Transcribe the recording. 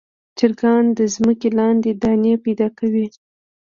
چرګان د ځمکې لاندې دانې پیدا کوي.